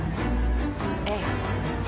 ええ。